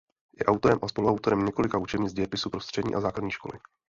Je autorem a spoluautorem několika učebnic dějepisu pro střední a základní školy.